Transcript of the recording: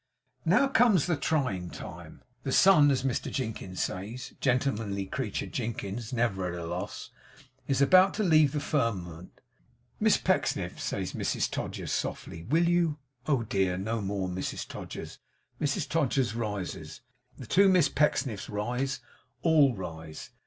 Now comes the trying time. The sun, as Mr Jinkins says (gentlemanly creature, Jinkins never at a loss!), is about to leave the firmament. 'Miss Pecksniff!' says Mrs Todgers, softly, 'will you ?' 'Oh dear, no more, Mrs Todgers.' Mrs Todgers rises; the two Miss Pecksniffs rise; all rise.